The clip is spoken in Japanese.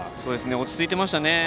落ち着いていましたね。